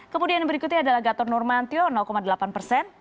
kemudian berikutnya adalah gator normantio delapan persen